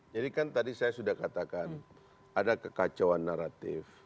jadi kan tadi saya sudah katakan ada kekacauan naratif